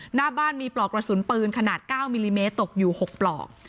หน้าบ้านมีปลอกกระสุนปืนขนาด๙มิลลิเมตรตกอยู่๖ปลอก